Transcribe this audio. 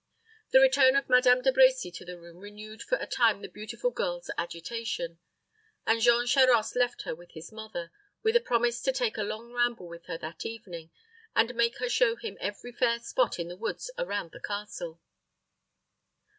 The return of Madame De Brecy to the room renewed for a time the beautiful girl's agitation; and Jean Charost left her with his mother, with a promise to take a long ramble with her that evening, and make her show him every fair spot in the woods around the castle.